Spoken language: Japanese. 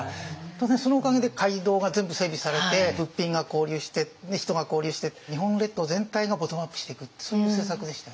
当然そのおかげで街道が全部整備されて物品が交流して人が交流して日本列島全体のボトムアップしていくってそういう政策でしたよね。